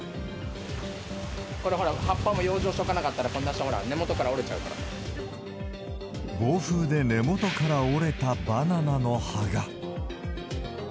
これ、ほら、葉っぱも養生しとかなかったら、こんなして、根元から折れちゃう暴風で根元から折れたバナナの葉が。